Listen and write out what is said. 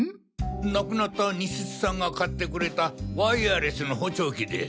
亡くなった西津さんが買ってくれたワイヤレスの補聴器で。